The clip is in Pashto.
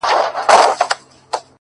• ځوان له ډيري ژړا وروسته څخه ريږدي؛